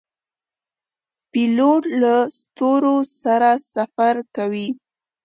پیلوټ له ستورو سره سفر کوي.